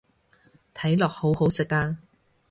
睇落好好食啊